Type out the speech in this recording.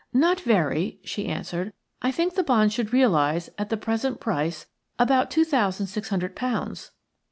"Not very," she answered. "I think the bonds should realize, at the present price, about two thousand six hundred pounds."